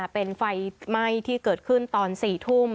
เป็นไฟไหม้ที่เกิดขึ้นตอน๔ทุ่ม